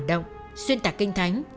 phản động xuyên tạc kinh thánh